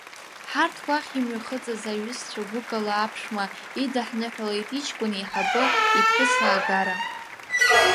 Ҳарҭ уахь имҩахыҵыз аиҩызцәа гәыкала аԥшәма идаҳныҳәалеит иҷкәын еиҳабы иԥҳәысаагара.